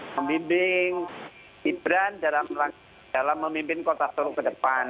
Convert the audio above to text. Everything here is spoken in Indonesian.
memimbing ibran dalam memimpin kota solo ke depan